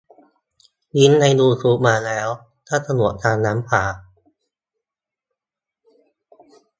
ลิงก์ในยูทูบมาแล้ว ถ้าสะดวกทางนั้นกว่า